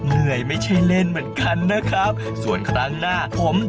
ไม่ใช่เล่นเหมือนกันนะครับส่วนครั้งหน้าผม